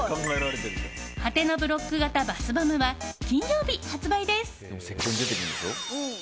ハテナブロック型バスボムは金曜日、発売です。